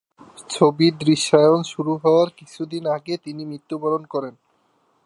ছবির দৃশ্যায়ন শুরু হওয়ার কিছুদিন আগে তিনি মৃত্যুবরণ করেন।